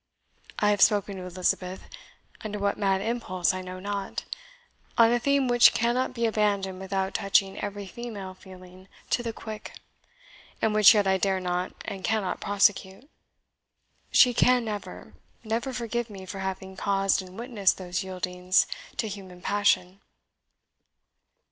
I have spoken to Elizabeth under what mad impulse I know not on a theme which cannot be abandoned without touching every female feeling to the quick, and which yet I dare not and cannot prosecute. She can never, never forgive me for having caused and witnessed those yieldings to human passion."